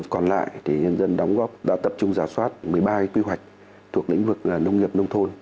còn lại nhân dân đóng góp đã tập trung giả soát một mươi ba quy hoạch thuộc lĩnh vực nông nghiệp nông thôn